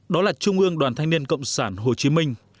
đó là trung ương đoàn thanh niên cộng sản hồ chí minh